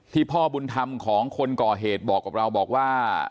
พ่อบุญธรรมของคนก่อเหตุบอกกับเราบอกว่า